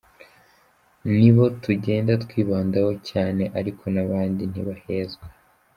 Nibo tugenda twibandaho cyane ariko n’abandi ntibahezwa.